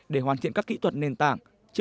để hoàn thiện các kỹ thuật nền tảng